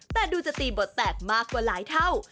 แต่ดูจะตีบทแตกมากกว่าหลายเท่า